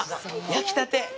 焼きたて。